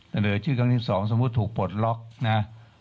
เสนอชื่อครั้งที่๒สมมุติถูกปลดล็อกนะ